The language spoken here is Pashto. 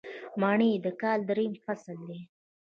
منی د کال دریم فصل دی